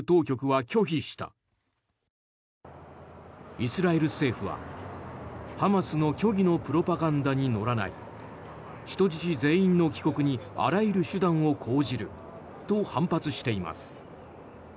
イスラエル政府はハマスの虚偽のプロパガンダに乗らない人質全員の帰国にあらゆる手段を講じると反発しています。